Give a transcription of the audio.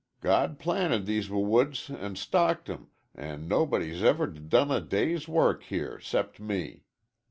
God planted these w woods an' stocked 'em, an' nobody's ever d done a day's work here 'cept me.